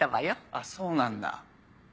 あっそうなんだ。